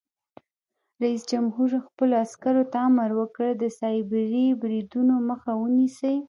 رئیس جمهور خپلو عسکرو ته امر وکړ؛ د سایبري بریدونو مخه ونیسئ!